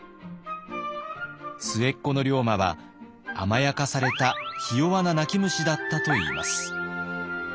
末っ子の龍馬は甘やかされたひ弱な泣き虫だったといいます。